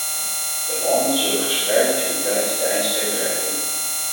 De landen zullen gespreid in de tijd de eindstreep bereiken.